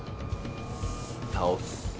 倒す。